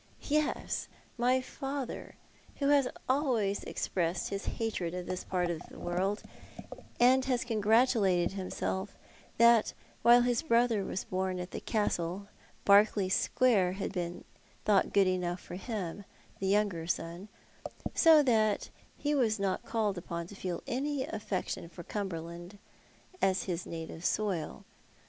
Yes, my father, who has always expressed his hatred oi this part of the world, and has congratulated himself that while liis brother was born at the Castle, Berkeley Square had been thought good enough for him, the younger son ; so that he was not called upon to feel any affection for Cumberland as his native soil.